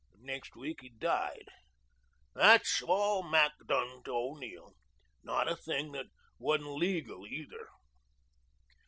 Next week he died. That's all Mac done to O'Neill. Not a thing that wasn't legal either."